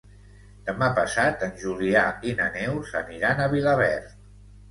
Demà passat en Julià i na Neus aniran a Vilaverd.